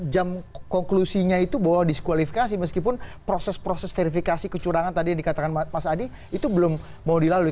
jam konklusinya itu bahwa diskualifikasi meskipun proses proses verifikasi kecurangan tadi yang dikatakan mas adi itu belum mau dilalui